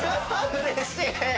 うれしい！